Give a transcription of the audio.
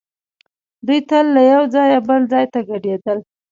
دوی تل له یو ځایه بل ځای ته کډېدل.